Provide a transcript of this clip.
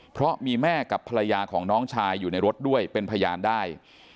เพราะมีแม่กับภรรยาของน้องชายอยู่ในรถด้วยเป็นพยานได้